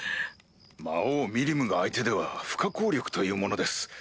魔王ミリムが相手では不可抗力というものです。